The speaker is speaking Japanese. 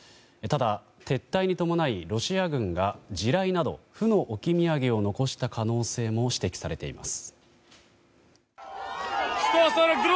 ただ、撤退に伴いロシア軍が地雷など負の置き土産を残した可能性も指摘されています。